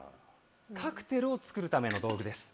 カクテルを作るための道具です。